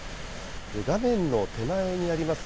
画面の手前にあります